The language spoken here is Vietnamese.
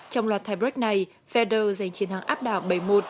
trong loạt tiebreak này federer giành chiến thắng áp đảo bảy một